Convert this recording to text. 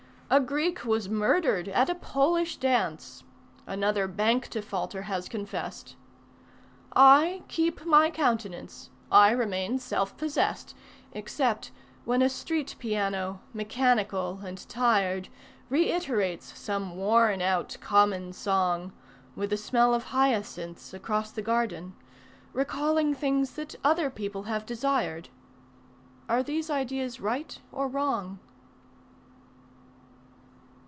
A Greek was murdered at a Polish dance, Another bank defaulter has confessed. I keep my countenance, I remain self possessed Except when a street piano, mechanical and tired Reiterates some worn out common song With the smell of hyacinths across the garden Recalling things that other people have desired. Are these ideas right or wrong?